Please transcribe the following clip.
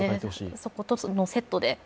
そこのセットで。